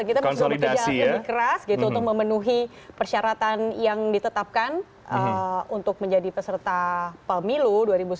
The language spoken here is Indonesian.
kita harus bekerja lebih keras gitu untuk memenuhi persyaratan yang ditetapkan untuk menjadi peserta pemilu dua ribu sembilan belas